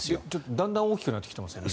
だんだん大きくなってきましたよね。